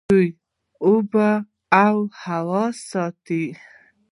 دوی اوبه او هوا ساتي.